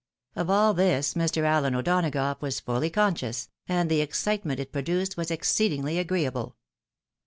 Of all this Mr. Allen O'Donagough was fully conscious, and the excitement it pro duced was exceedingly jigreeable.